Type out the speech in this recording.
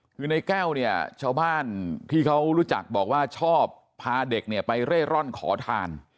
คือในแก้วเนี่ยชาวบ้านที่เขารู้จักบอกว่าชอบพาเด็กเนี่ยไปเร่ร่อนขอทาน